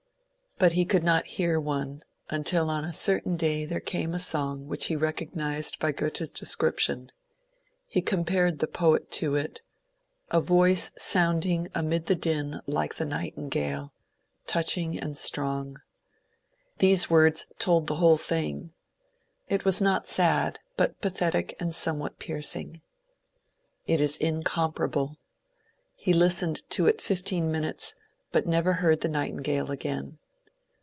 But he could not hear one until on a certain day there came a song which he recog nized by Goethe's description : he compared the poet to it —^' a voice sounding amid the din like the nightingale — touch ing and strong." These words told the whole thing. It was not sad, but pathetic and somewhat piercing. It is incom parable. He listened to it fifteen minutes, but never heard the nightingale again.